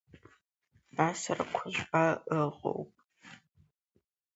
Асарақәа жәба ыҟоуп.